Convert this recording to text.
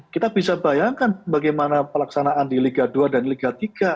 kita bisa bayangkan bagaimana pelaksanaan di liga dua dan liga tiga